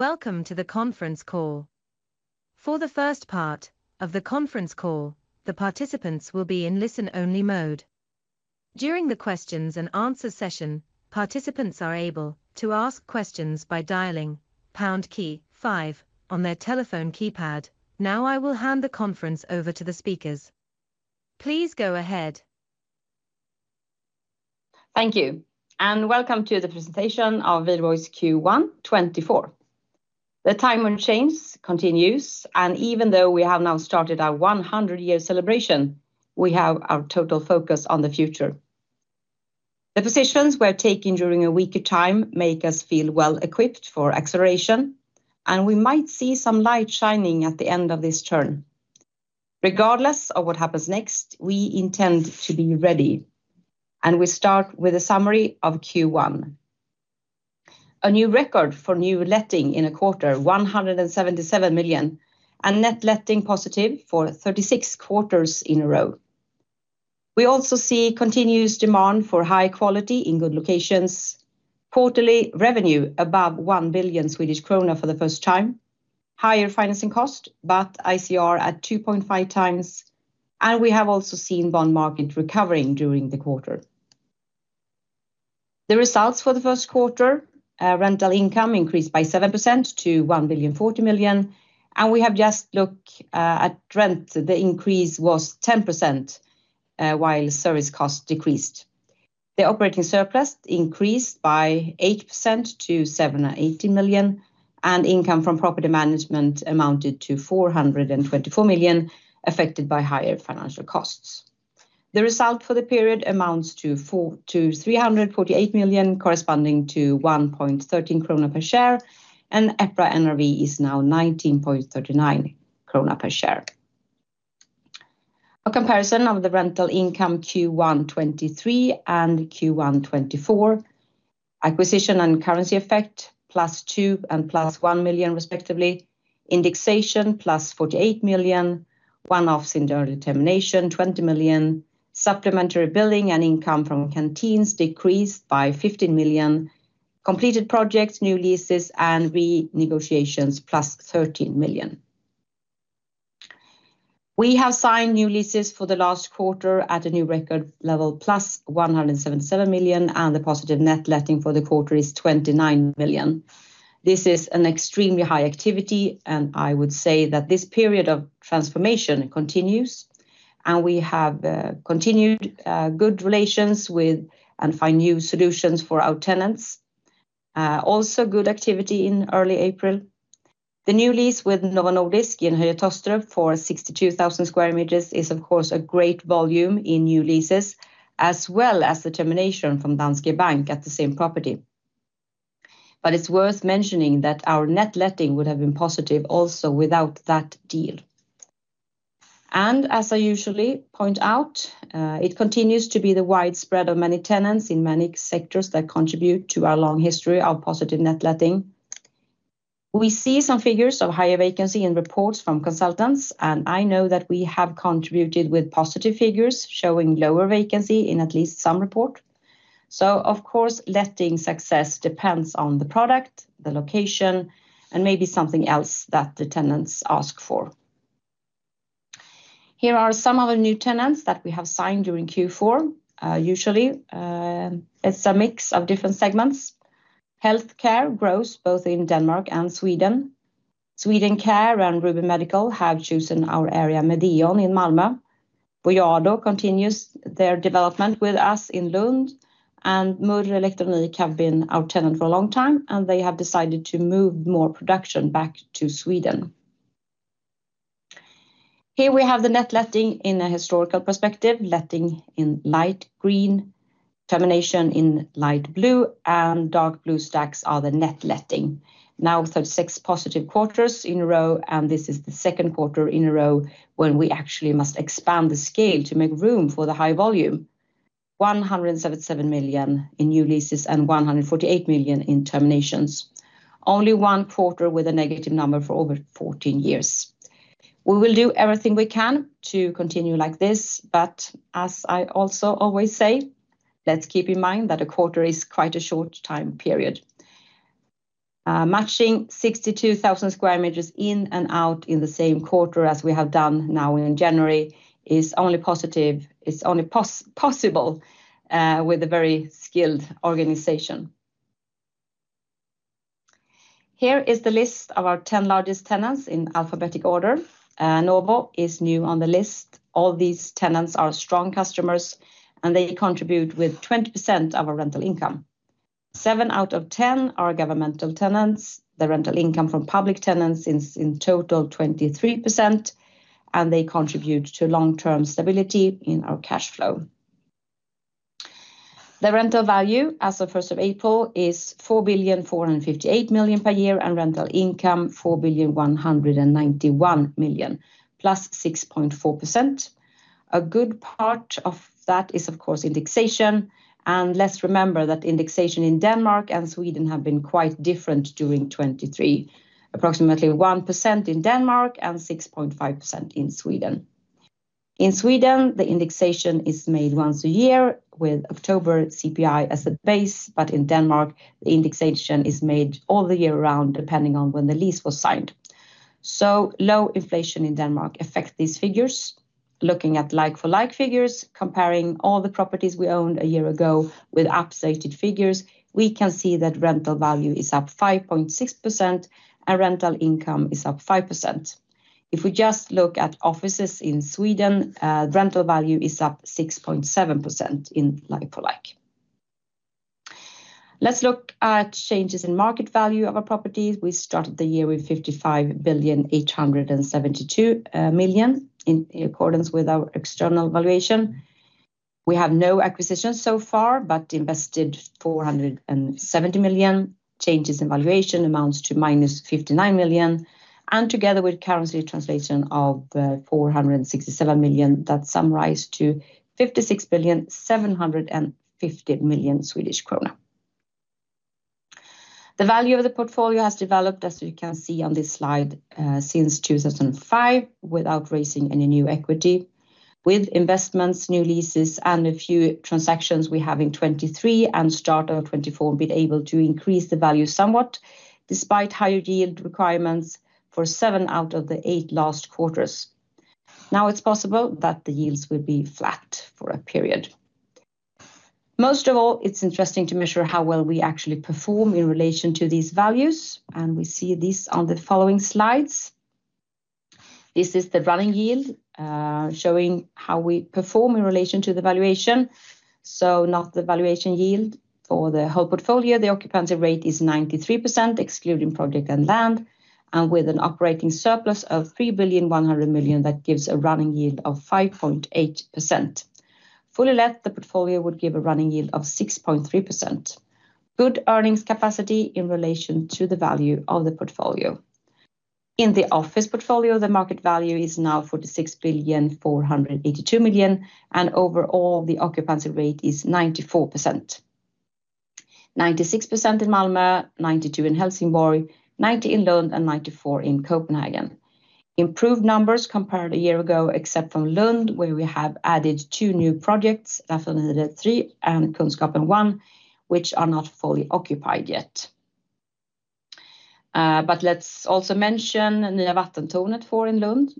Welcome to the conference call. For the first part of the conference call, the participants will be in listen-only mode. During the questions and answer session, participants are able to ask questions by dialing pound key five on their telephone keypad. Now, I will hand the conference over to the speakers. Please go ahead. Thank you, and welcome to the presentation of Wihlborgs Q1 2024. The time when change continues, and even though we have now started our 100-year celebration, we have our total focus on the future. The positions we're taking during a weaker time make us feel well-equipped for acceleration, and we might see some light shining at the end of this turn. Regardless of what happens next, we intend to be ready, and we start with a summary of Q1. A new record for new letting in a quarter, 177 million, and net letting positive for 36 quarters in a row. We also see continuous demand for high quality in good locations. Quarterly revenue above 1 billion Swedish krona for the first time. Higher financing cost, but ICR at 2.5x, and we have also seen bond market recovering during the quarter. The results for the first quarter, rental income increased by 7% to 1,040 million, and we have just looked at rent. The increase was 10%, while service costs decreased. The operating surplus increased by 8% to 780 million, and income from property management amounted to 424 million, affected by higher financial costs. The result for the period amounts to 403 million, corresponding to 1.13 krona per share, and EPRA NRV is now 19.39 krona per share. A comparison of the rental income Q1 2023 and Q1 2024. Acquisition and currency effect, +2 million and +1 million, respectively. Indexation, +48 million. One-offs in the early termination, 20 million. Supplementary billing and income from canteens decreased by 15 million. Completed projects, new leases, and renegotiations, +13 million. We have signed new leases for the last quarter at a new record level, +177 million, and the positive net letting for the quarter is 29 million. This is an extremely high activity, and I would say that this period of transformation continues, and we have continued good relations with and find new solutions for our tenants. Also good activity in early April. The new lease with Novo Nordisk in Høje Taastrup for 62,000 square meters is, of course, a great volume in new leases, as well as the termination from Danske Bank at the same property. But it's worth mentioning that our net letting would have been positive also without that deal. As I usually point out, it continues to be the widespread of many tenants in many sectors that contribute to our long history of positive net letting. We see some figures of higher vacancy in reports from consultants, and I know that we have contributed with positive figures showing lower vacancy in at least some report. So of course, letting success depends on the product, the location, and maybe something else that the tenants ask for. Here are some of the new tenants that we have signed during Q4. Usually, it's a mix of different segments. Healthcare grows both in Denmark and Sweden. Swedencare and Rubin Medical have chosen our area, Medeon, in Malmö. Voyado continues their development with us in Lund, and Murrelektronik have been our tenant for a long time, and they have decided to move more production back to Sweden. Here we have the net letting in a historical perspective, letting in light green, termination in light blue, and dark blue stacks are the net letting. Now, 36 positive quarters in a row, and this is the second quarter in a row when we actually must expand the scale to make room for the high volume, 177 million in new leases and 148 million in terminations. Only one quarter with a negative number for over 14 years. We will do everything we can to continue like this, but as I also always say, let's keep in mind that a quarter is quite a short time period. Matching 62,000 square meters in and out in the same quarter as we have done now in January is only possible with a very skilled organization. Here is the list of our 10 largest tenants in alphabetic order. Novo is new on the list. All these tenants are strong customers, and they contribute with 20% of our rental income. Seven out of 10 are governmental tenants. The rental income from public tenants is in total 23%, and they contribute to long-term stability in our cash flow. The rental value, as of first of April, is 4,458 million per year, and rental income, 4,191 million, +6.4%. A good part of that is, of course, indexation. And let's remember that indexation in Denmark and Sweden have been quite different during 2023, approximately 1% in Denmark and 6.5% in Sweden. In Sweden, the indexation is made once a year with October CPI as a base. But in Denmark, the indexation is made all year round, depending on when the lease was signed. So low inflation in Denmark affect these figures. Looking at like-for-like figures, comparing all the properties we owned a year ago with updated figures, we can see that rental value is up 5.6%, and rental income is up 5%. If we just look at offices in Sweden, rental value is up 6.7% in like-for-like. Let's look at changes in market value of our properties. We started the year with 55,872 million in accordance with our external valuation. We have no acquisitions so far, but invested 470 million. Changes in valuation amount to -59 million, and together with currency translation of 467 million, that summarizes to 56.75 billion. The value of the portfolio has developed, as you can see on this slide, since 2005, without raising any new equity. With investments, new leases, and a few transactions we have in 2023 and start of 2024, we've been able to increase the value somewhat, despite higher yield requirements for seven out of the eight last quarters. Now, it's possible that the yields will be flat for a period. Most of all, it's interesting to measure how well we actually perform in relation to these values, and we see this on the following slides. This is the running yield, showing how we perform in relation to the valuation, so not the valuation yield. For the whole portfolio, the occupancy rate is 93%, excluding project and land, and with an operating surplus of 3.1 billion, that gives a running yield of 5.8%. Fully let, the portfolio would give a running yield of 6.3%. Good earnings capacity in relation to the value of the portfolio. In the office portfolio, the market value is now 46.482 billion, and overall, the occupancy rate is 94%. 96% in Malmö, 92% in Helsingborg, 90% in Lund, and 94% in Copenhagen. Improved numbers compared to a year ago, except from Lund, where we have added two new projects, Raffinaderiet 3 and Kunskapen 1, which are not fully occupied yet. But let's also mention Nya Vattentornet 4 in Lund.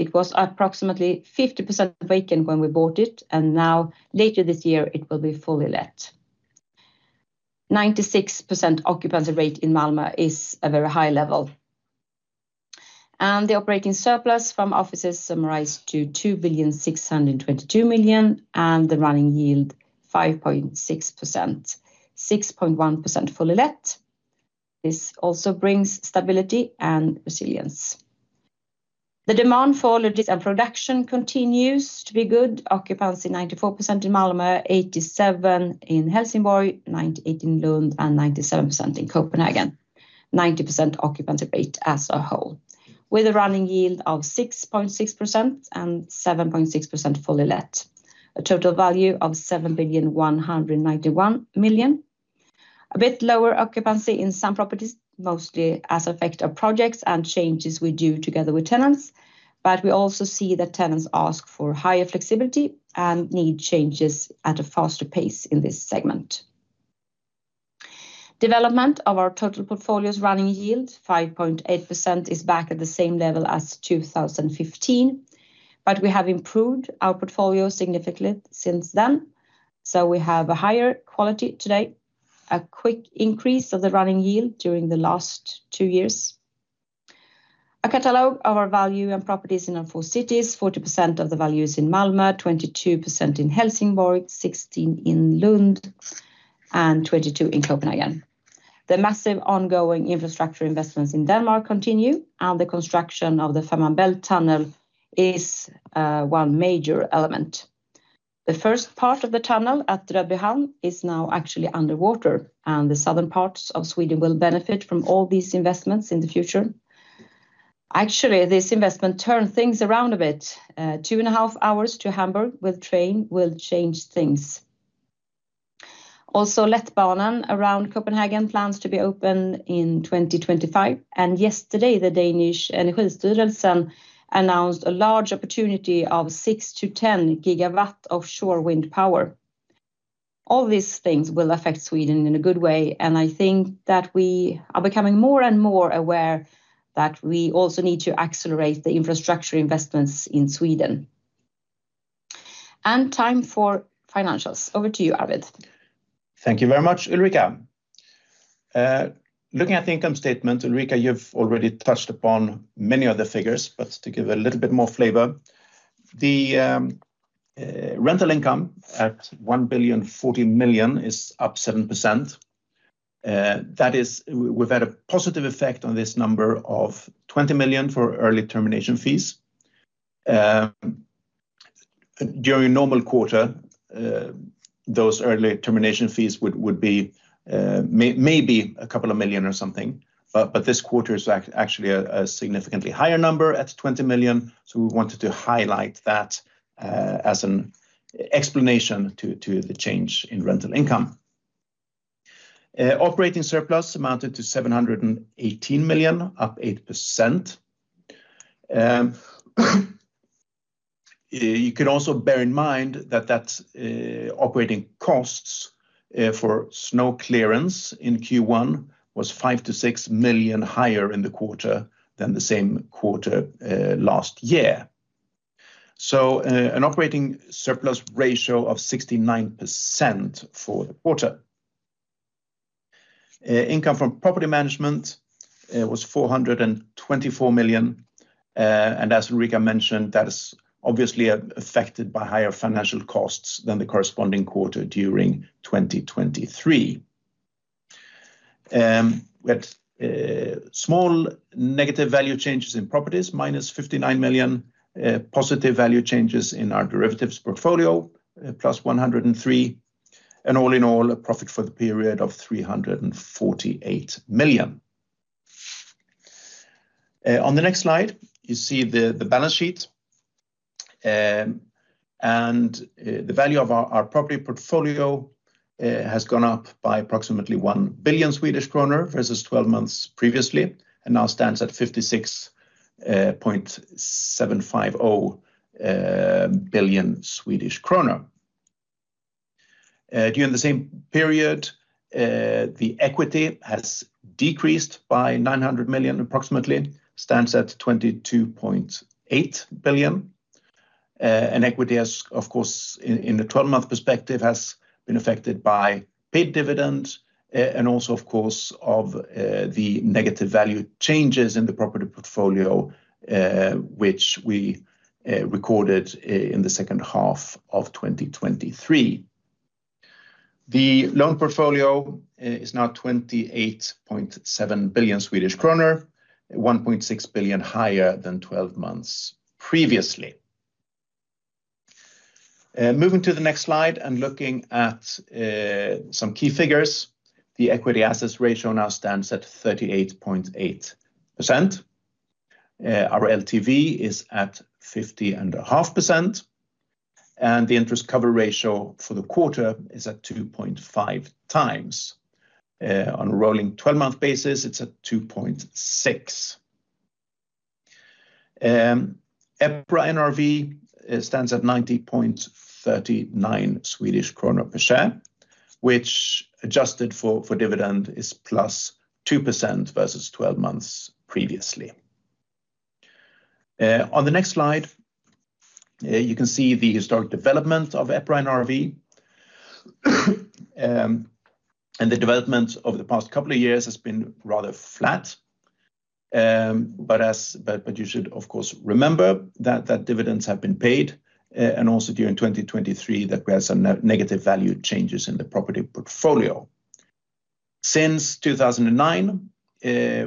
It was approximately 50% vacant when we bought it, and now later this year, it will be fully let. 96% occupancy rate in Malmö is a very high level. The operating surplus from offices summarized to 2,622 million, and the running yield, 5.6%. 6.1% fully let. This also brings stability and resilience. The demand for logistics and production continues to be good. Occupancy, 94% in Malmö, 87% in Helsingborg, 98% in Lund, and 97% in Copenhagen. 90% occupancy rate as a whole, with a running yield of 6.6% and 7.6% fully let. A total value of 7,191 million. A bit lower occupancy in some properties, mostly as effect of projects and changes we do together with tenants. But we also see that tenants ask for higher flexibility and need changes at a faster pace in this segment. Development of our total portfolio's running yield, 5.8%, is back at the same level as 2015. But we have improved our portfolio significantly since then, so we have a higher quality today. A quick increase of the running yield during the last two years. A catalog of our value and properties in our four cities, 40% of the value is in Malmö, 22% in Helsingborg, 16% in Lund, and 22% in Copenhagen. The massive ongoing infrastructure investments in Denmark continue, and the construction of the Fehmarnbelt Tunnel is one major element. The first part of the tunnel at Rødbyhavn is now actually underwater, and the southern parts of Sweden will benefit from all these investments in the future. Actually, this investment turned things around a bit. 2.5 hours to Hamburg with train will change things. Also, Letbanen around Copenhagen plans to be open in 2025, and yesterday, the Danish Energistyrelsen announced a large opportunity of 6 gigawatts-10 gigawatts of offshore wind power. All these things will affect Sweden in a good way, and I think that we are becoming more and more aware that we also need to accelerate the infrastructure investments in Sweden. And time for financials. Over to you, Arvid. Thank you very much, Ulrika. Looking at the income statement, Ulrika, you've already touched upon many of the figures, but to give a little bit more flavor, the rental income at 1,040 million is up 7%. We've had a positive effect on this number of 20 million for early termination fees. During a normal quarter, those early termination fees would be maybe a couple of million or something. But this quarter is actually a significantly higher number at 20 million, so we wanted to highlight that as an explanation to the change in rental income. Operating surplus amounted to 718 million, up 8%. You could also bear in mind that that's operating costs for snow clearance in Q1 was 5 million-6 million higher in the quarter than the same quarter last year. So, an operating surplus ratio of 69% for the quarter. Income from property management was 424 million, and as Ulrika mentioned, that is obviously affected by higher financial costs than the corresponding quarter during 2023. We had small negative value changes in properties, -59 million. Positive value changes in our derivatives portfolio, +103 million. And all in all, a profit for the period of 348 million. On the next slide, you see the balance sheet. The value of our property portfolio has gone up by approximately 1 billion Swedish kronor versus 12 months previously, and now stands at 56.75 billion Swedish kronor. During the same period, the equity has decreased by approximately 900 million, stands at 22.8 billion. And equity has, of course, in the 12-month perspective, has been affected by paid dividends, and also of course, the negative value changes in the property portfolio, which we recorded in the second half of 2023. The loan portfolio is now 28.7 billion Swedish kronor, 1.6 billion higher than 12 months previously. Moving to the next slide and looking at some key figures. The equity assets ratio now stands at 38.8%. Our LTV is at 50.5%, and the interest cover ratio for the quarter is at 2.5x. On a rolling twelve-month basis, it's at 2.6. EPRA NRV stands at 90.39 Swedish kronor per share, which adjusted for dividend, is +2% versus twelve months previously. On the next slide, you can see the historic development of EPRA NRV. And the development over the past couple of years has been rather flat. But you should, of course, remember that the dividends have been paid, and also during 2023, that we had some negative value changes in the property portfolio. Since 2009,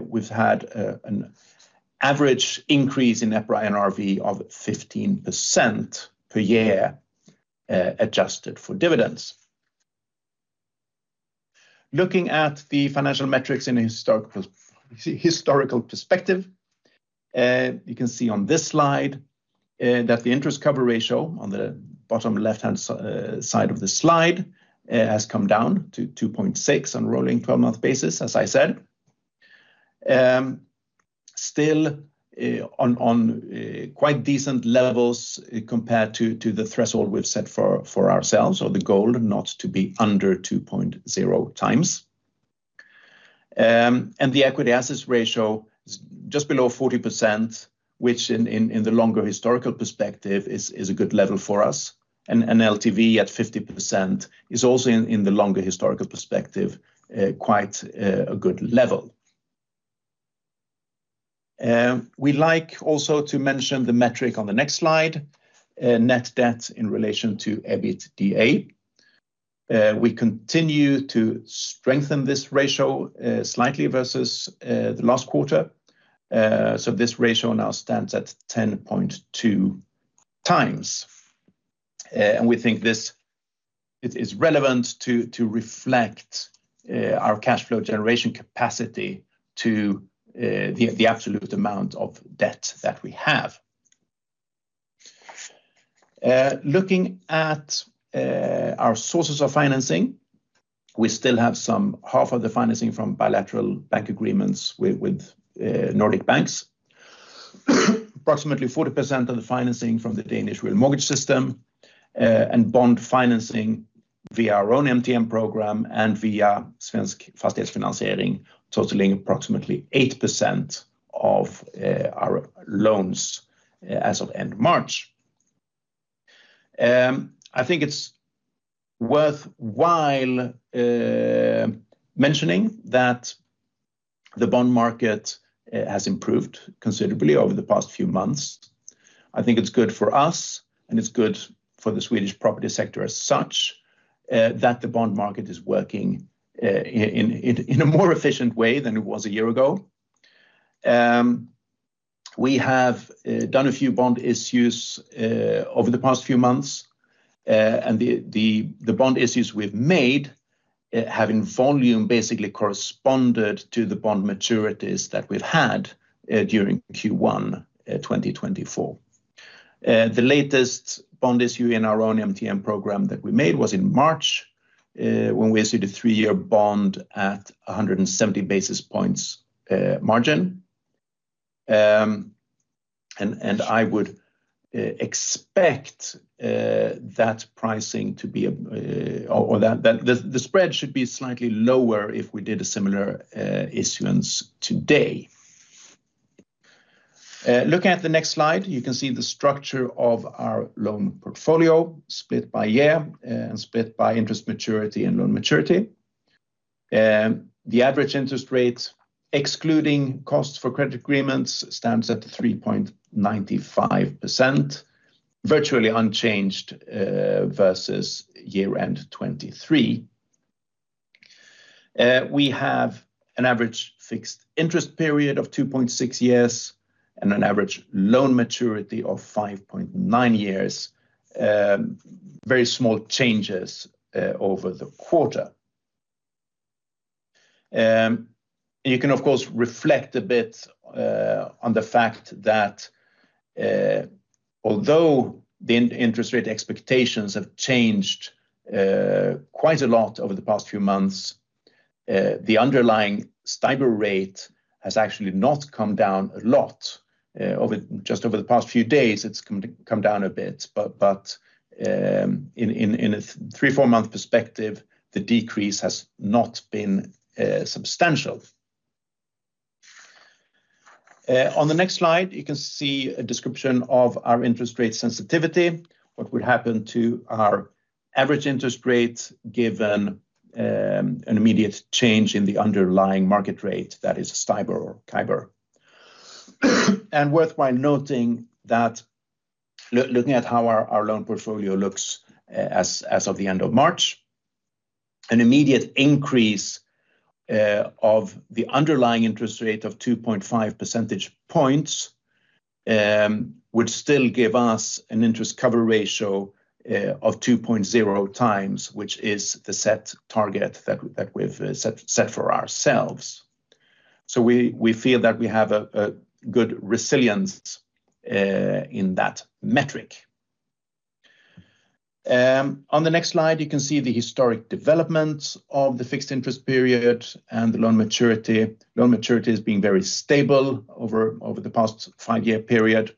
we've had an average increase in EPRA NRV of 15% per year, adjusted for dividends. Looking at the financial metrics in a historical perspective, you can see on this slide that the interest cover ratio on the bottom left-hand side of the slide has come down to 2.6 on a rolling per month basis, as I said. Still, on quite decent levels, compared to the threshold we've set for ourselves, or the goal not to be under 2.0x. And the equity assets ratio is just below 40%, which in the longer historical perspective is a good level for us. And LTV at 50% is also in the longer historical perspective quite a good level. We like also to mention the metric on the next slide, net debt in relation to EBITDA. We continue to strengthen this ratio slightly versus the last quarter. So this ratio now stands at 10.2x. And we think this is relevant to reflect our cash flow generation capacity to the absolute amount of debt that we have. Looking at our sources of financing, we still have some half of the financing from bilateral bank agreements with Nordic banks. Approximately 40% of the financing from the Danish real mortgage system, and bond financing via our own MTN program and via Svensk Fastighetsfinansiering, totaling approximately 8% of our loans as of end March. I think it's worthwhile mentioning that the bond market has improved considerably over the past few months. I think it's good for us, and it's good for the Swedish property sector as such, that the bond market is working in a more efficient way than it was a year ago. We have done a few bond issues over the past few months. And the bond issues we've made, having volume basically corresponded to the bond maturities that we've had during Q1 2024. And the latest bond issue in our own MTN program that we made was in March, when we issued a three-year bond at 170 basis points margin. And I would expect that pricing to be, or that the spread should be slightly lower if we did a similar issuance today. Looking at the next slide, you can see the structure of our loan portfolio split by year and split by interest maturity and loan maturity. The average interest rate, excluding costs for credit agreements, stands at 3.95%, virtually unchanged, versus year-end 2023. We have an average fixed interest period of 2.6 years and an average loan maturity of 5.9 years. Very small changes over the quarter. You can, of course, reflect a bit on the fact that, although the interest rate expectations have changed quite a lot over the past few months, the underlying STIBOR rate has actually not come down a lot. Just over the past few days, it's come down a bit, but in a 3-month-4-month perspective, the decrease has not been substantial. On the next slide, you can see a description of our interest rate sensitivity, what would happen to our average interest rate, given an immediate change in the underlying market rate, that is STIBOR or CIBOR. And worth noting that looking at how our loan portfolio looks, as of the end of March, an immediate increase of the underlying interest rate of 2.5 percentage points would still give us an interest cover ratio of 2.0x, which is the set target that we've set for ourselves. So we feel that we have a good resilience in that metric. On the next slide, you can see the historic developments of the fixed interest period and the loan maturity. Loan maturity is being very stable over the past 5-year period.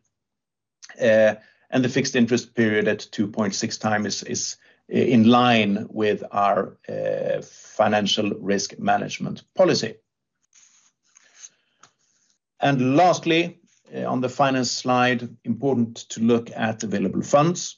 And the fixed interest period at 2.6x is in line with our financial risk management policy. And lastly, on the final slide, important to look at available funds.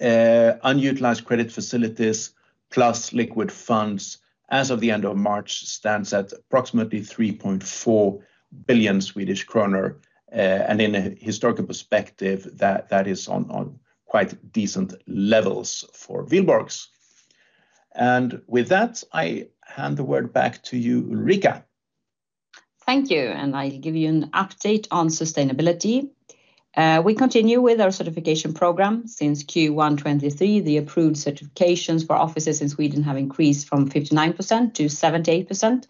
Unutilized credit facilities, plus liquid funds as of the end of March, stands at approximately 3.4 billion Swedish kronor. And in a historical perspective, that is on quite decent levels for Wihlborgs. And with that, I hand the word back to you, Ulrika. Thank you, and I'll give you an update on sustainability. We continue with our certification program since Q1 2023. The approved certifications for offices in Sweden have increased from 59%-78%,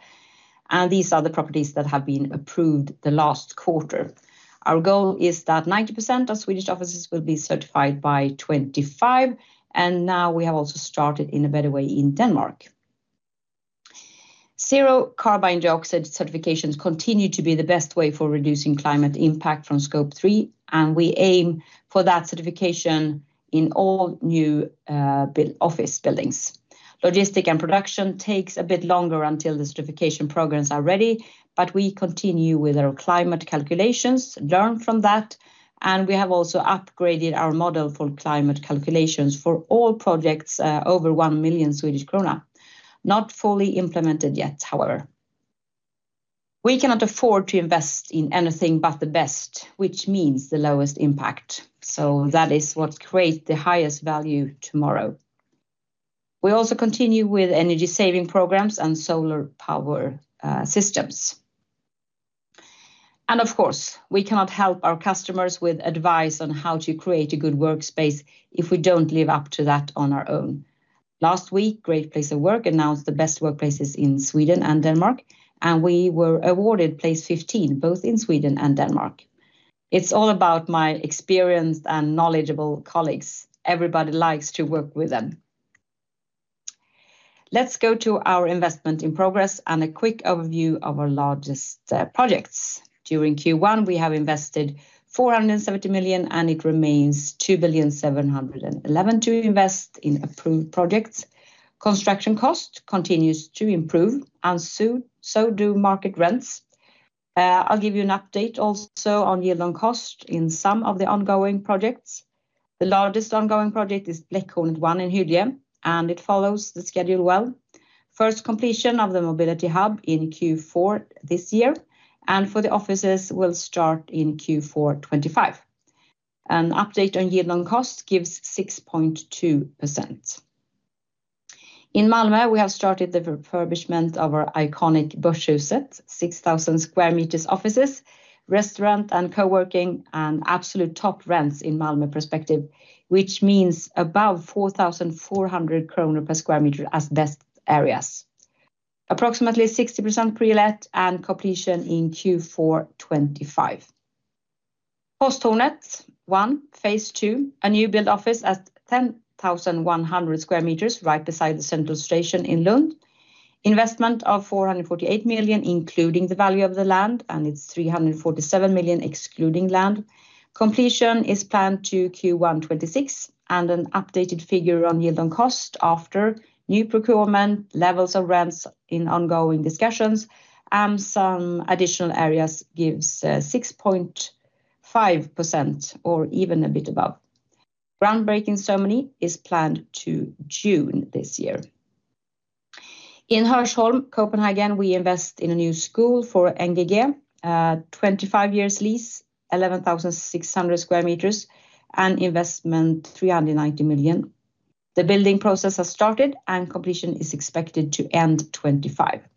and these are the properties that have been approved the last quarter. Our goal is that 90% of Swedish offices will be certified by 2025, and now we have also started in a better way in Denmark. Zero carbon dioxide certifications continue to be the best way for reducing climate impact from Scope 3, and we aim for that certification in all new office buildings. Logistic and production takes a bit longer until the certification programs are ready, but we continue with our climate calculations, learn from that, and we have also upgraded our model for climate calculations for all projects over 1 million Swedish krona. Not fully implemented yet, however. We cannot afford to invest in anything but the best, which means the lowest impact, so that is what creates the highest value tomorrow. We also continue with energy-saving programs and solar power systems. And of course, we cannot help our customers with advice on how to create a good workspace if we don't live up to that on our own. Last week, Great Place to Work announced the best workplaces in Sweden and Denmark, and we were awarded place 15, both in Sweden and Denmark. It's all about my experienced and knowledgeable colleagues. Everybody likes to work with them. Let's go to our investment in progress and a quick overview of our largest projects. During Q1, we have invested 470 million, and it remains 2,711 million to invest in approved projects. Construction cost continues to improve, and soon, so do market rents. I'll give you an update also on yield on cost in some of the ongoing projects. The largest ongoing project is Bläckhornet 1 in Hyllie, and it follows the schedule well. First completion of the mobility hub in Q4 this year, and for the offices will start in Q4 2025. An update on yield on cost gives 6.2%. In Malmö, we have started the refurbishment of our iconic Börshuset, 6,000 square meters offices, restaurant, and coworking, and absolute top rents in Malmö perspective, which means above 4,400 kronor per square meter as best areas, approximately 60% pre-let and completion in Q4 2025. Posthornet 1, phase two, a new build office at 10,100 square meters, right beside the Central Station in Lund. Investment of 448 million, including the value of the land, and it's 347 million excluding land. Completion is planned to Q1 2026, and an updated figure on yield on cost after new procurement, levels of rents in ongoing discussions, and some additional areas gives 6.5% or even a bit above. Groundbreaking ceremony is planned to June this year. In Hørsholm, Copenhagen, we invest in a new school for NGG. 25-year lease, 11,600 square meters, and investment 390 million. The building process has started, and completion is expected to end 2025.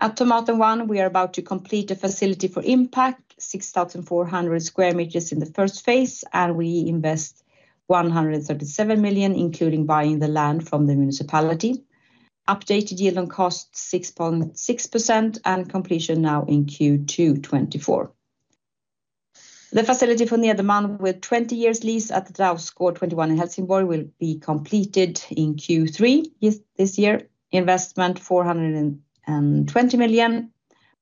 At Tomaten 1, we are about to complete a facility for Inpac, 6,400 square meters in the first phase, and we invest 137 million, including buying the land from the municipality. Updated yield on cost, 6.6%, and completion now in Q2 2024. The facility for Nederman, with 20-year lease at Rausgård 21 in Helsingborg, will be completed in Q3 this year. Investment, 420 million,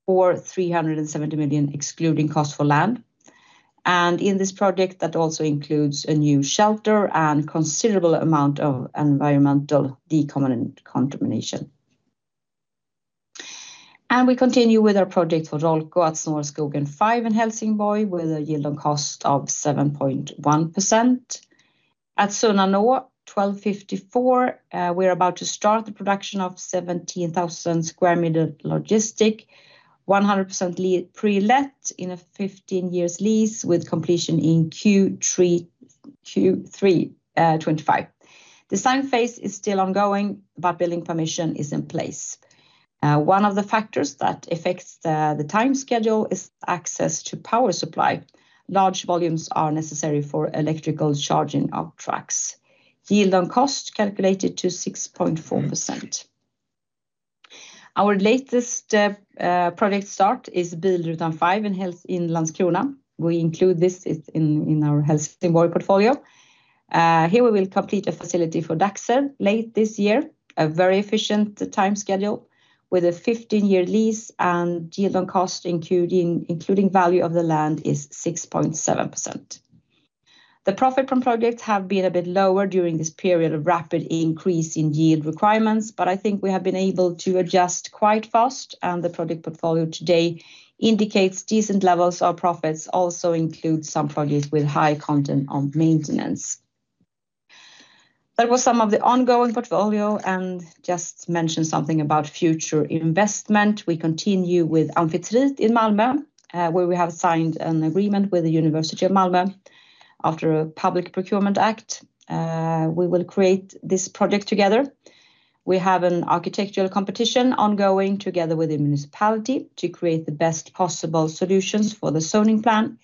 or 370 million, excluding cost for land. And in this project, that also includes a new shelter and considerable amount of environmental decontamination. And we continue with our project for Rollco at Snårskogen 5 in Helsingborg, with a yield on cost of 7.1%. At Sunnanå 12:54, we're about to start the production of 17,000 square meter logistic. 100% pre-let in a 15-year lease, with completion in Q3 2025. Design phase is still ongoing, but building permission is in place. One of the factors that affects the, the time schedule is access to power supply. Large volumes are necessary for electrical charging of trucks. Yield on cost calculated to 6.4%. Our latest project start is Bilrutan 5 in Landskrona. We include this in our Helsingborg portfolio. Here we will complete a facility for Dachser late this year, a very efficient time schedule, with a 15-year lease and yield on cost, including value of the land, is 6.7%. The profit from projects have been a bit lower during this period of rapid increase in yield requirements, but I think we have been able to adjust quite fast, and the project portfolio today indicates decent levels of profits, also includes some projects with high content on maintenance. That was some of the ongoing portfolio, and just mention something about future investment. We continue with Amphitrite in Malmö, where we have signed an agreement with Malmö University. After a public procurement act, we will create this project together. We have an architectural competition ongoing together with the municipality to create the best possible solutions for the zoning plan.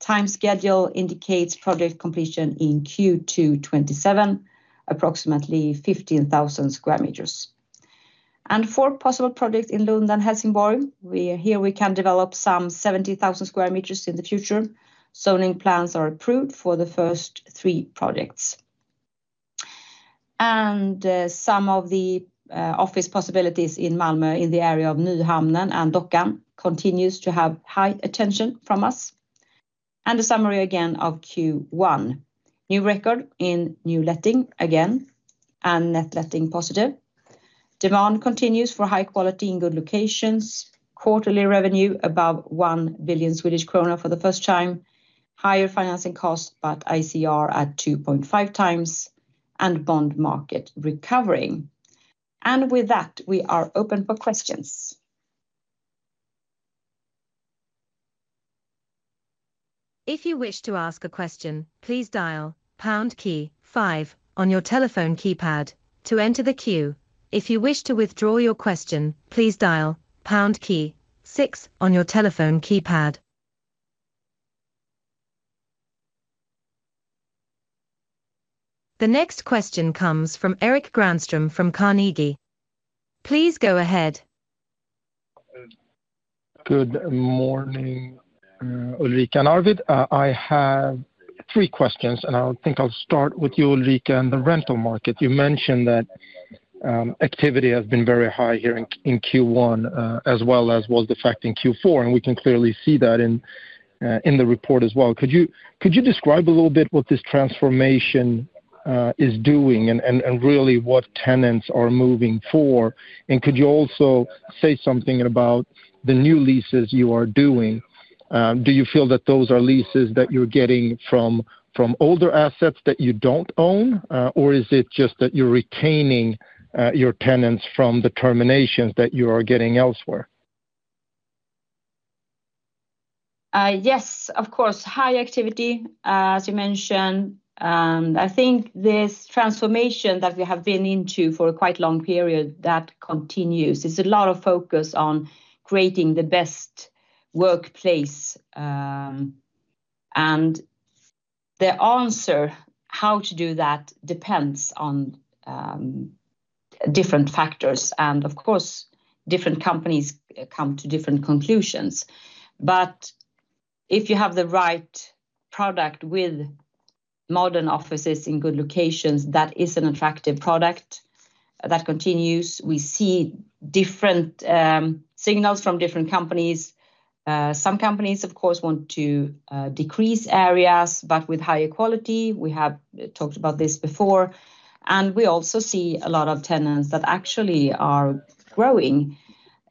Time schedule indicates project completion in Q2 2027, approximately 15,000 square meters. And four possible projects in Lund and Helsingborg. Here we can develop some 70,000 square meters in the future. Zoning plans are approved for the first three projects. And some of the office possibilities in Malmö, in the area of Nyhamnen and Dockan, continues to have high attention from us. And the summary again of Q1: new record in new letting again, and net letting positive. Demand continues for high quality in good locations. Quarterly revenue above 1 billion Swedish krona for the first time. Higher financing costs, but ICR at 2.5x, and bond market recovering. With that, we are open for questions. If you wish to ask a question, please dial pound key five on your telephone keypad to enter the queue. If you wish to withdraw your question, please dial pound key six on your telephone keypad. The next question comes from Erik Granström from Carnegie. Please go ahead. Good morning, Ulrika and Arvid. I have three questions, and I think I'll start with you, Ulrika, and the rental market. You mentioned that activity has been very high here in Q1, as well as was the fact in Q4, and we can clearly see that in the report as well. Could you describe a little bit what this transformation is doing and really what tenants are moving for? And could you also say something about the new leases you are doing? Do you feel that those are leases that you're getting from older assets that you don't own? Or is it just that you're retaining your tenants from the terminations that you are getting elsewhere? Yes, of course, high activity, as you mentioned. I think this transformation that we have been into for a quite long period, that continues. There's a lot of focus on creating the best workplace. The answer how to do that depends on different factors, and of course, different companies come to different conclusions. But if you have the right product with modern offices in good locations, that is an attractive product. That continues. We see different signals from different companies. Some companies, of course, want to decrease areas but with higher quality. We have talked about this before. And we also see a lot of tenants that actually are growing,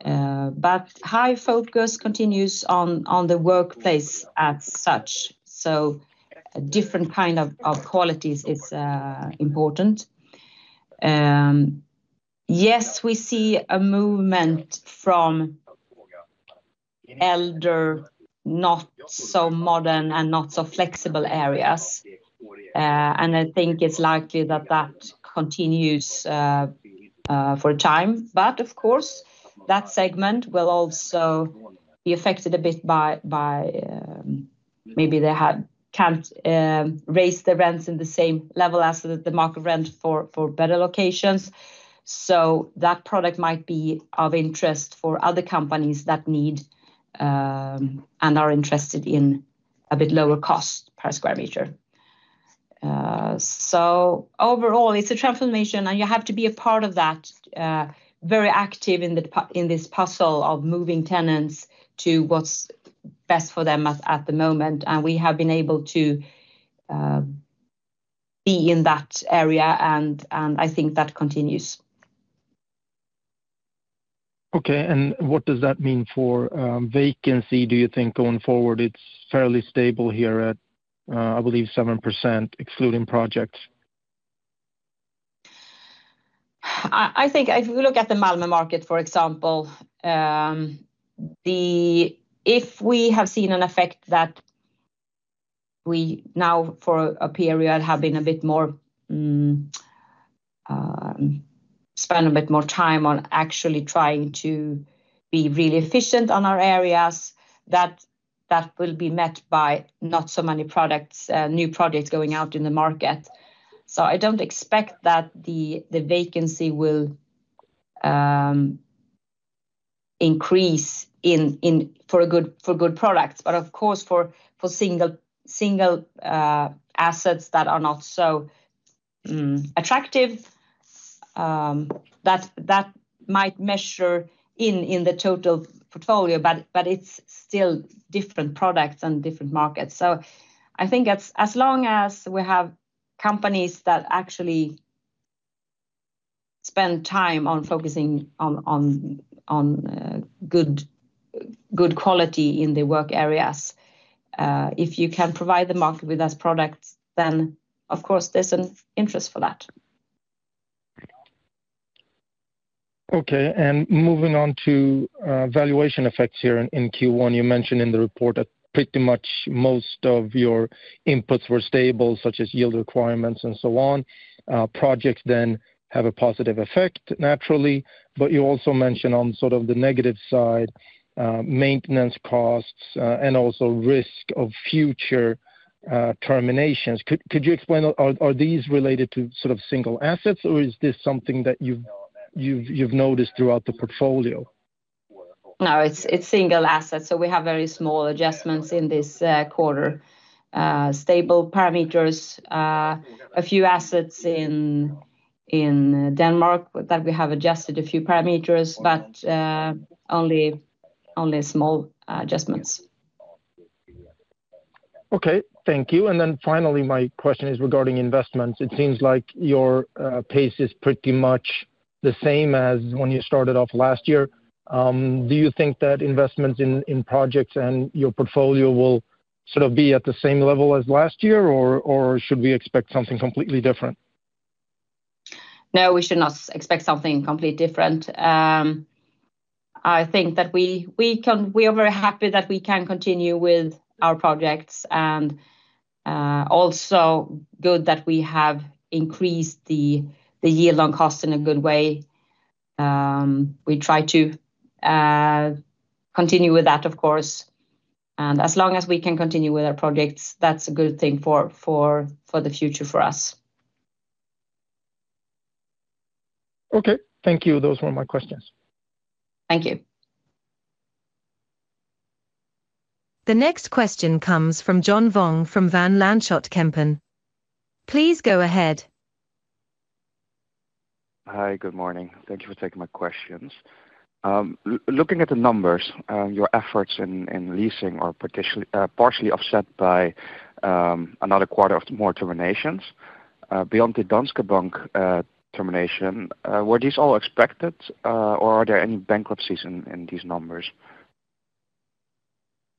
but high focus continues on the workplace as such. So a different kind of qualities is important. Yes, we see a movement from older, not so modern, and not so flexible areas. And I think it's likely that that continues for a time. But of course, that segment will also be affected a bit by maybe they can't raise the rents in the same level as the market rent for better locations. So that product might be of interest for other companies that need and are interested in a bit lower cost per square meter. So overall, it's a transformation, and you have to be a part of that very active in this puzzle of moving tenants to what's best for them at the moment, and we have been able to be in that area, and I think that continues. Okay, and what does that mean for vacancy? Do you think going forward it's fairly stable here at, I believe 7%, excluding projects? I think if you look at the Malmö market, for example, if we have seen an effect that we now for a period have been a bit more spend a bit more time on actually trying to be really efficient on our areas, that will be met by not so many products, new products going out in the market. So I don't expect that the vacancy will increase in for good products. But of course, for single assets that are not so attractive, that might measure in the total portfolio. But it's still different products and different markets. So I think as long as we have companies that actually spend time on focusing on good quality in the work areas, if you can provide the market with those products, then, of course, there's an interest for that. Okay, and moving on to valuation effects here in Q1. You mentioned in the report that pretty much most of your inputs were stable, such as yield requirements and so on. Projects then have a positive effect, naturally. But you also mentioned on sort of the negative side, maintenance costs, and also risk of future terminations. Could you explain, are these related to sort of single assets, or is this something that you've noticed throughout the portfolio? No, it's single assets, so we have very small adjustments in this quarter. Stable parameters. A few assets in Denmark that we have adjusted a few parameters, but only small adjustments. Okay, thank you. Then finally, my question is regarding investments. It seems like your pace is pretty much the same as when you started off last year. Do you think that investments in projects and your portfolio will sort of be at the same level as last year, or should we expect something completely different? No, we should not expect something completely different. I think that we can—we are very happy that we can continue with our projects, and also good that we have increased the year-long cost in a good way. We try to continue with that, of course. And as long as we can continue with our projects, that's a good thing for the future for us. Okay, thank you. Those were my questions. Thank you. The next question comes from John Vuong from Van Lanschot Kempen. Please go ahead. Hi, good morning. Thank you for taking my questions. Looking at the numbers, your efforts in leasing are partially offset by another quarter of more terminations. Beyond the Danske Bank termination, were these all expected, or are there any bankruptcies in these numbers?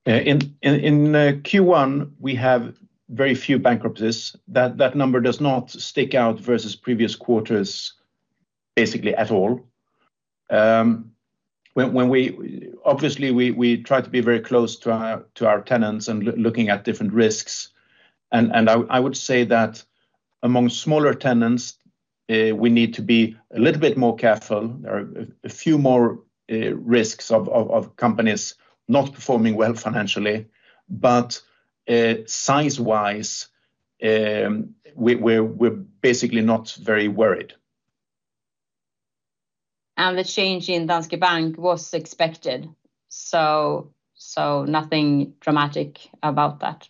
In Q1, we have very few bankruptcies. That number does not stick out versus previous quarters, basically at all. Obviously, we try to be very close to our tenants and looking at different risks. And I would say that among smaller tenants, we need to be a little bit more careful. There are a few more risks of companies not performing well financially. But size-wise, we're basically not very worried. The change in Danske Bank was expected, so nothing dramatic about that.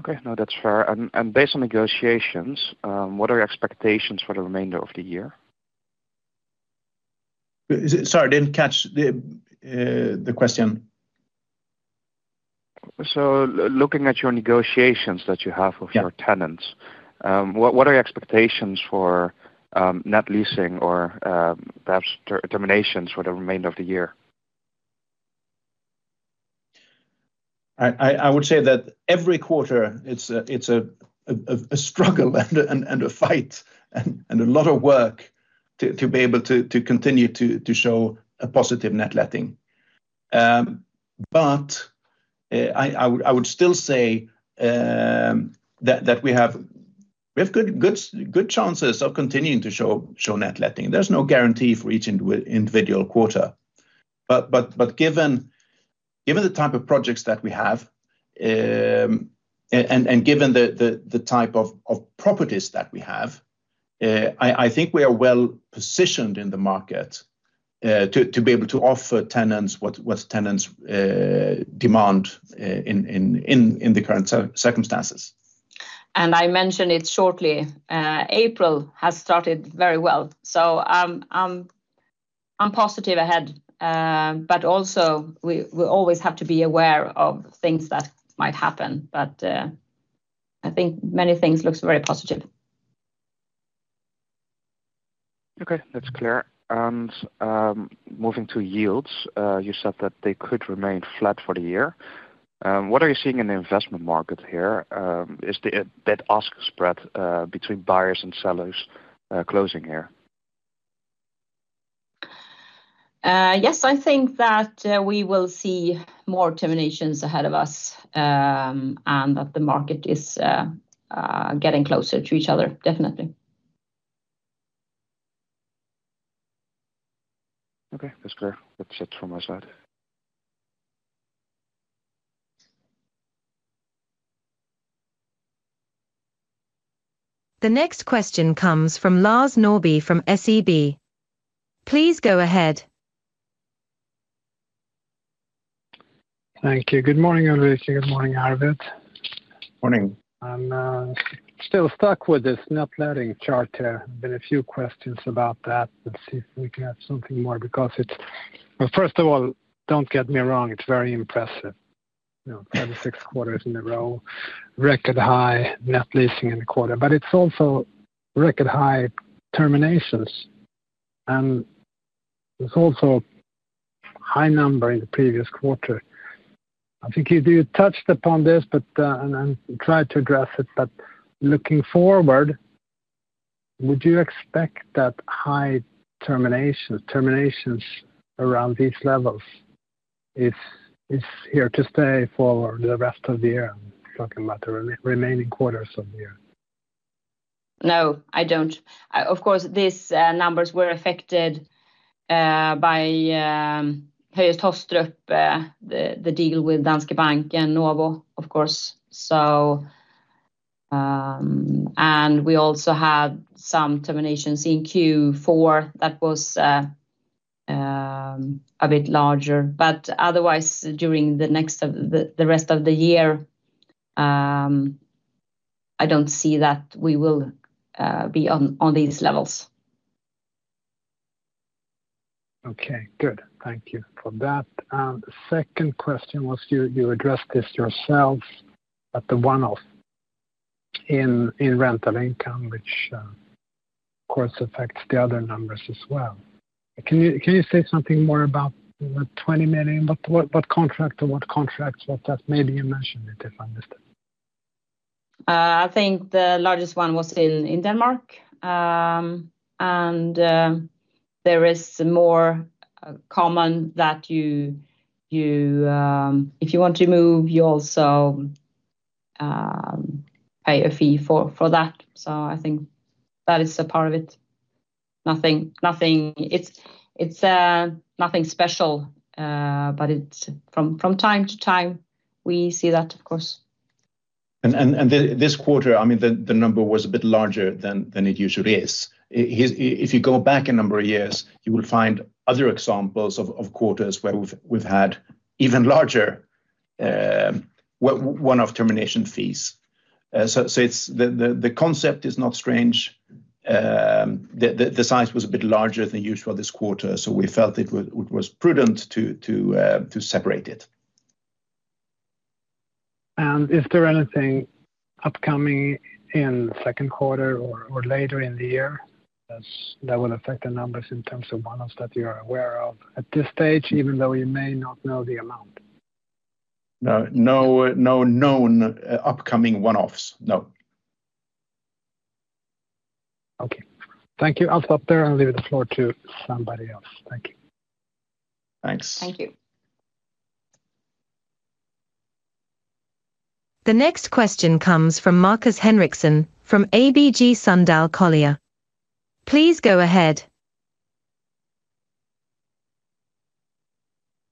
Okay. No, that's fair. And based on negotiations, what are your expectations for the remainder of the year? Is it... Sorry, didn't catch the question. Looking at your negotiations that you have- Yeah... with your tenants, what are your expectations for net leasing or perhaps terminations for the remainder of the year? I would say that every quarter it's a struggle and a fight and a lot of work to be able to continue to show a positive net letting. But I would still say that we have good chances of continuing to show net letting. There's no guarantee for each individual quarter, but given the type of projects that we have and given the type of properties that we have, I think we are well-positioned in the market to be able to offer tenants what tenants demand in the current circumstances. I mentioned it shortly. April has started very well, so I'm positive ahead. But also we always have to be aware of things that might happen, but I think many things looks very positive. Okay, that's clear. Moving to yields, you said that they could remain flat for the year. What are you seeing in the investment market here? Is the bid-ask spread between buyers and sellers closing here? Yes, I think that we will see more terminations ahead of us, and that the market is getting closer to each other, definitely. Okay, that's clear. That's it from my side. The next question comes from Lars Norrby from SEB. Please go ahead. Thank you. Good morning, Ulrika. Good morning, Arvid. Morning. I'm still stuck with this net letting chart here. Been a few questions about that. Let's see if we can have something more, because it's... Well, first of all, don't get me wrong, it's very impressive. You know, 36 quarters in a row, record high net leasing in the quarter, but it's also record high terminations, and it's also a high number in the previous quarter. I think you do touched upon this, but, and, and tried to address it, but looking forward, would you expect that high termination- terminations around these levels, if it's here to stay for the rest of the year? I'm talking about the re- remaining quarters of the year. No, I don't. Of course, these numbers were affected by Høje Taastrup, the deal with Danske Bank and Novo, of course. So, and we also had some terminations in Q4 that was a bit larger. But otherwise, during the rest of the year, I don't see that we will be on these levels. Okay, good. Thank you for that. And the second question was, you addressed this yourselves, but the one-off in rental income, which, of course, affects the other numbers as well. Can you say something more about the 20 million? What contract or what contracts, what that maybe you mentioned, if I understood? I think the largest one was in Denmark. It's more common that if you want to move, you also pay a fee for that. So I think that is a part of it. It's nothing special, but from time to time, we see that, of course. This quarter, I mean, the number was a bit larger than it usually is. If you go back a number of years, you will find other examples of quarters where we've had even larger one-off termination fees. So, it's the concept is not strange. The size was a bit larger than usual this quarter, so we felt it was prudent to separate it. Is there anything upcoming in the second quarter or later in the year that will affect the numbers in terms of one-offs that you're aware of at this stage, even though you may not know the amount? No, no, no known, upcoming one-offs. No.... Thank you. I'll stop there and leave the floor to somebody else. Thank you. Thanks. Thank you. The next question comes from Markus Henriksson from ABG Sundal Collier. Please go ahead.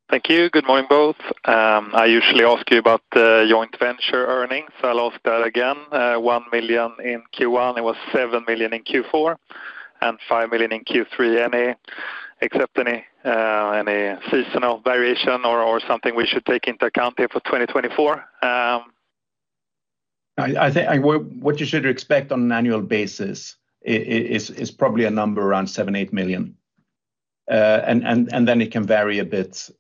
Thank you. Good morning, both. I usually ask you about the joint venture earnings, so I'll ask that again. 1 million in Q1, it was 7 million in Q4, and 5 million in Q3. Any seasonal variation or something we should take into account here for 2024? I think what you should expect on an annual basis is probably a number around 7 million-8 million. And then it can vary a bit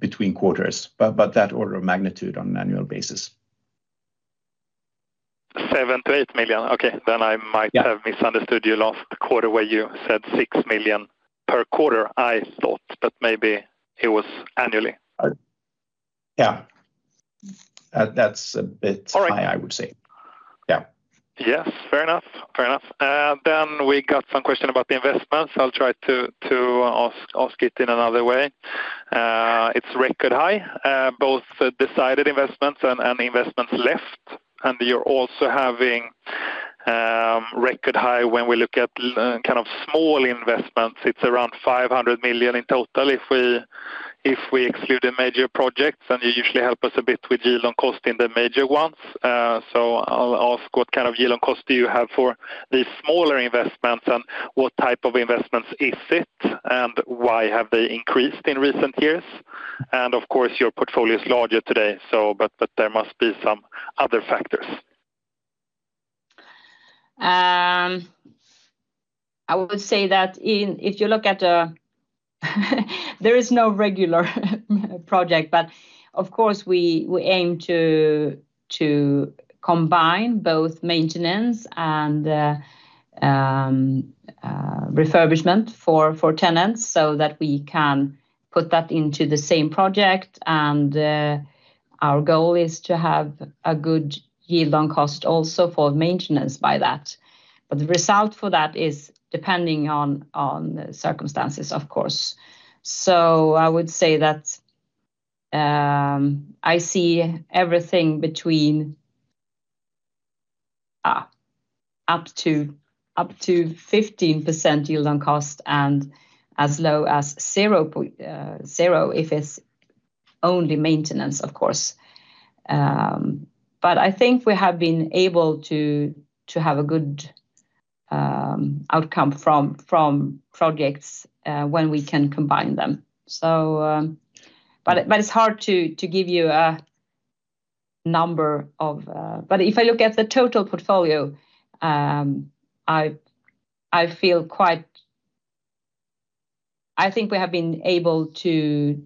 between quarters, but that order of magnitude on an annual basis. 7 million-8 million? Okay. Then I might- Yeah... have misunderstood you last quarter where you said 6 million per quarter, I thought, but maybe it was annually. Yeah. That's a bit- All right... high, I would say. Yeah. Yes, fair enough. Fair enough. Then we got some question about the investments. I'll try to ask it in another way. It's record high, both the decided investments and investments left, and you're also having record high when we look at kind of small investments. It's around 500 million in total, if we exclude the major projects, and you usually help us a bit with yield on cost in the major ones. So I'll ask, what kind of yield on cost do you have for these smaller investments, and what type of investments is it, and why have they increased in recent years? And of course, your portfolio is larger today, so but there must be some other factors. I would say that in—if you look at the, there is no regular project, but of course, we aim to combine both maintenance and refurbishment for tenants, so that we can put that into the same project. And our goal is to have a good yield on cost also for maintenance by that. But the result for that is depending on the circumstances, of course. So I would say that I see everything between up to 15% yield on cost and as low as 0.0, if it's only maintenance, of course. But I think we have been able to have a good outcome from projects when we can combine them. So but it's hard to give you a number of... But if I look at the total portfolio, I feel quite. I think we have been able to.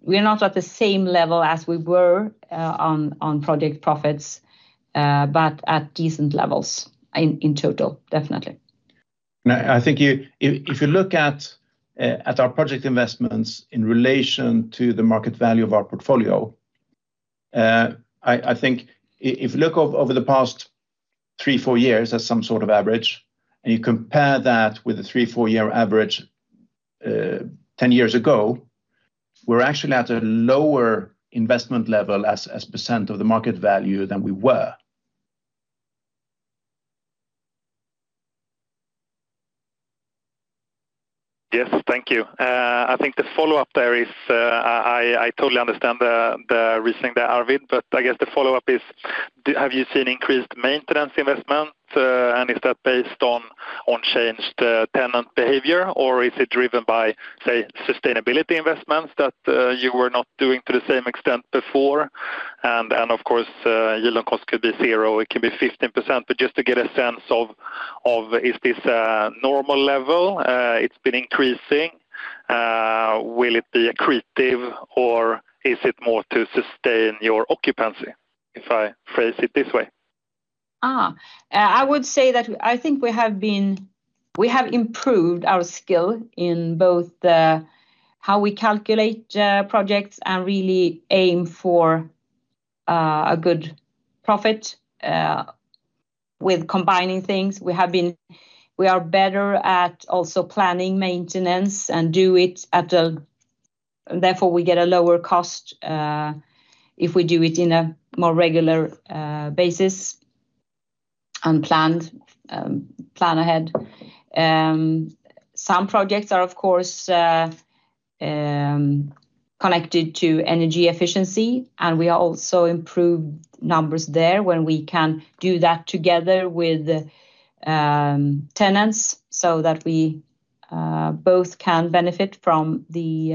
We are not at the same level as we were on project profits, but at decent levels in total, definitely. I think you-- if you look at our project investments in relation to the market value of our portfolio, I think if you look over the past 3-years-4-years as some sort of average, and you compare that with the 3-years-4-years average ten years ago, we're actually at a lower investment level as percent of the market value than we were. Yes. Thank you. I think the follow-up there is, I totally understand the reasoning there, Arvid, but I guess the follow-up is: have you seen increased maintenance investment, and is that based on changed tenant behavior? Or is it driven by, say, sustainability investments that you were not doing to the same extent before? And of course, yield on cost could be zero, it can be 15%. But just to get a sense of is this a normal level? It's been increasing. Will it be accretive, or is it more to sustain your occupancy, if I phrase it this way? Ah!I would say that I think we have improved our skill in both the how we calculate projects and really aim for a good profit with combining things. We are better at also planning maintenance and do it at a... Therefore, we get a lower cost if we do it in a more regular basis, and planned plan ahead. Some projects are, of course, connected to energy efficiency, and we are also improved numbers there when we can do that together with the tenants, so that we both can benefit from the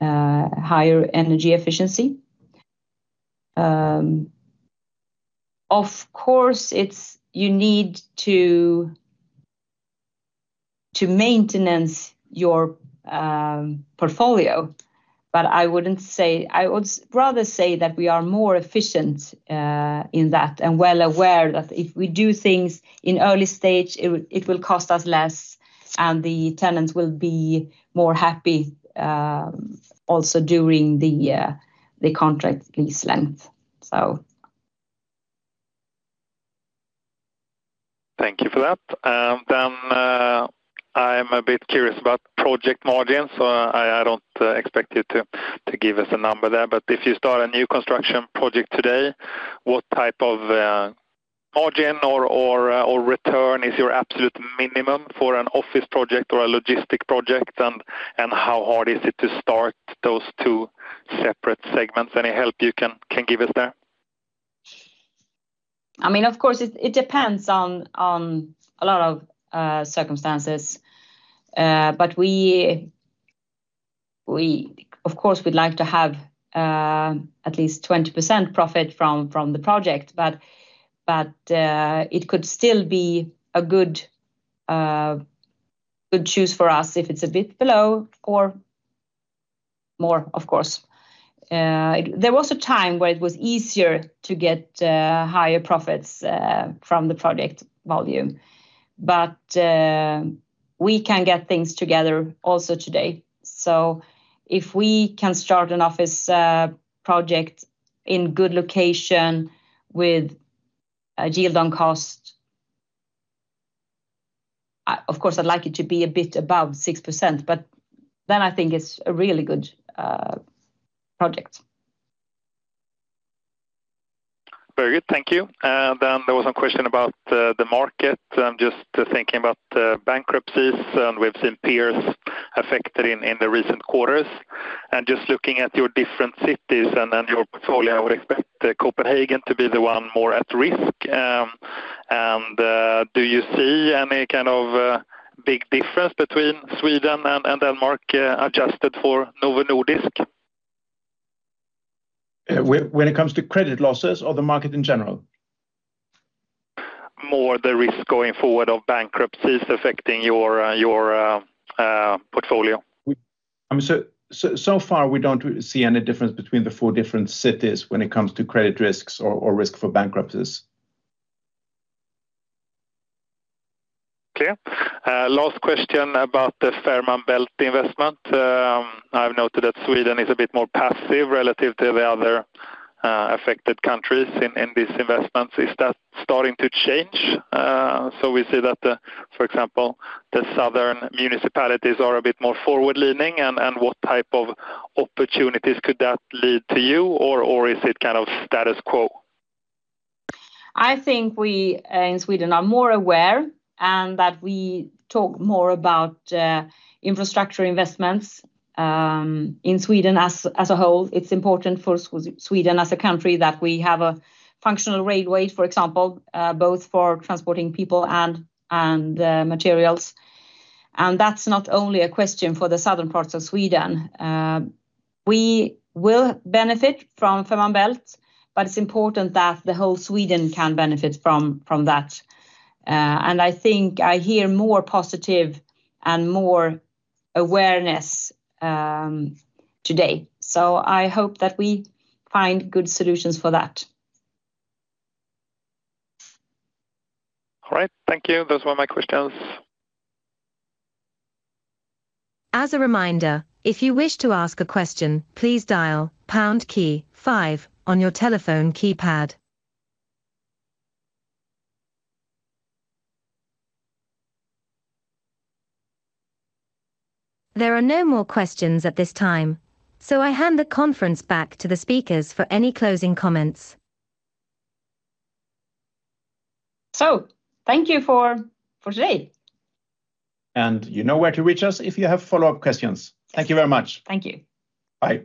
higher energy efficiency. Of course, it's you need to maintenance your portfolio, but I wouldn't say... I would rather say that we are more efficient, in that, and well aware that if we do things in early stage, it will cost us less... and the tenants will be more happy, also during the contract lease length, so. Thank you for that. Then, I'm a bit curious about project margins. I don't expect you to give us a number there, but if you start a new construction project today, what type of margin or return is your absolute minimum for an office project or a logistic project? And how hard is it to start those two separate segments? Any help you can give us there? I mean, of course, it depends on a lot of circumstances. But we of course would like to have at least 20% profit from the project, but it could still be a good choice for us if it's a bit below or more, of course. There was a time where it was easier to get higher profits from the project volume. But we can get things together also today. So if we can start an office project in good location with a yield on cost, of course, I'd like it to be a bit above 6%, but then I think it's a really good project. Very good. Thank you. Then there was a question about the market. Just thinking about bankruptcies, and we've seen peers affected in the recent quarters. And just looking at your different cities and your portfolio, I would expect Copenhagen to be the one more at risk. And do you see any kind of big difference between Sweden and Denmark, adjusted for Novo Nordisk? When it comes to credit losses or the market in general? More the risk going forward of bankruptcies affecting your portfolio. I mean, so far, we don't see any difference between the four different cities when it comes to credit risks or risk for bankruptcies. Okay. Last question about the Fehmarnbelt investment. I've noted that Sweden is a bit more passive relative to the other affected countries in these investments. Is that starting to change? So we see that, for example, the southern municipalities are a bit more forward-leaning, and what type of opportunities could that lead to you, or is it kind of status quo? I think we in Sweden are more aware, and that we talk more about infrastructure investments in Sweden as a whole. It's important for Sweden as a country that we have a functional railway, for example, both for transporting people and materials. And that's not only a question for the southern parts of Sweden. We will benefit from Fehmarnbelt, but it's important that the whole Sweden can benefit from that. And I think I hear more positive and more awareness today, so I hope that we find good solutions for that. All right. Thank you. Those were my questions. As a reminder, if you wish to ask a question, please dial pound key five on your telephone keypad. There are no more questions at this time, so I hand the conference back to the speakers for any closing comments. Thank you for today. You know where to reach us if you have follow-up questions. Thank you very much. Thank you. Bye!